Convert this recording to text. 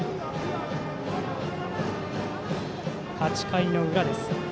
８回の裏です。